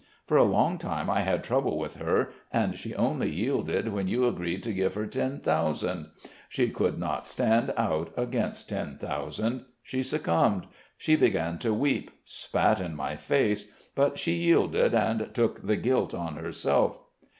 For a long time I had trouble with her, and she only yielded when you agreed to give her ten thousand. She could not stand out against ten thousand. She succumbed.... She began to weep, spat in my face, but she yielded and took the guilt on herself."